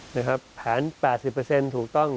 นะครับแผน๘๐ถูกต้อง